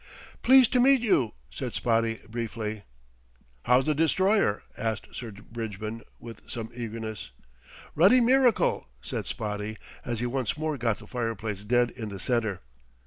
"Pleased to meet you," said Spotty briefly. "How's the Destroyer?" asked Sir Bridgman with some eagerness. "Ruddy miracle," said Spotty, as he once more got the fireplace dead in the centre.